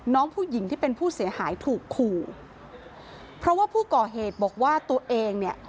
น้องผู้หญิงที่เป็นผู้เสียหายถูกขู่เพราะว่าผู้ก่อเหตุบอกว่าตัวเองเนี่ย